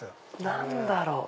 何だろう？